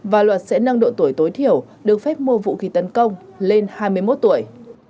và luật sẽ nâng độ tuổi tối thiểu được phép mua vũ khí tấn công lên hai mươi một tuổi